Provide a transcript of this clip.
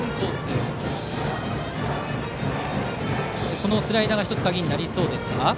このスライダーが１つ鍵になりそうですか。